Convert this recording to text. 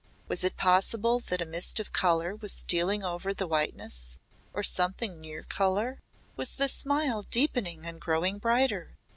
Was it possible that a mist of colour was stealing over the whiteness or something near colour? Was the smile deepening and growing brighter?